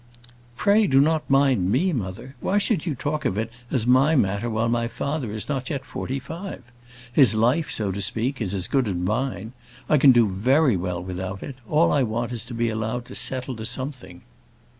"Pray do not mind me, mother. Why should you talk of it as my matter while my father is not yet forty five? His life, so to speak, is as good as mine. I can do very well without it; all I want is to be allowed to settle to something."